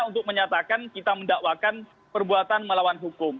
untuk menyatakan kita mendakwakan perbuatan melawan hukum